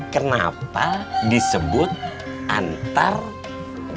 kenapa disebut antar gidadari